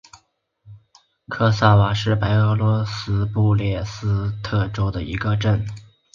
科萨瓦是白俄罗斯布列斯特州的一个镇。